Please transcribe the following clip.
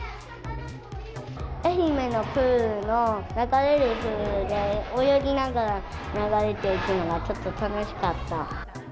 愛媛のプールの、流れるプールで泳ぎながら流れていくのがちょっと楽しかった。